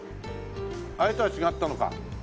あれとは違ったのか。